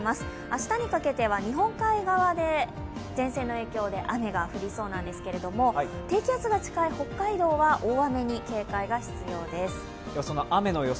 明日にかけては日本海側で前線の影響で雨が降りそうなんですけど低気圧が近い北海道は、大雨に警戒が必要です。